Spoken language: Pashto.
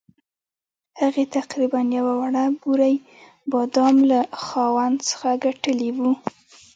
هغې تقریباً یوه وړه بورۍ بادام له خاوند څخه ګټلي وو.